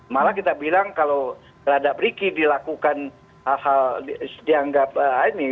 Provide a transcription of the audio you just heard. malah kita bilang kalau terhadap ricky dilakukan hal hal dianggap ini